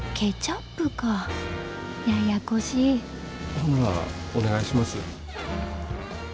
ほんならお願いします。